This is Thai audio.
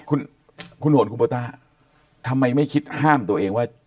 คุณห่วงหัวตาทำไมไม่คิดห้ามตัวเองว่า